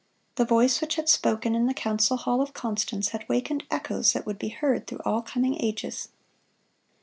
The voice which had spoken in the council hall of Constance had wakened echoes that would be heard through all coming ages.